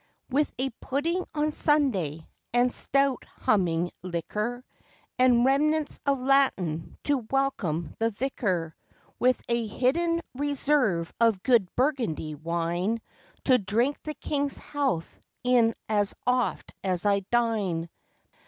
With a pudding on Sunday, and stout humming liquor, And remnants of Latin to welcome the vicar; With a hidden reserve of good Burgundy wine, To drink the king's health in as oft as I dine.